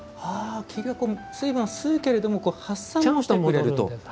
水分を吸うけれども発散もしてくれると。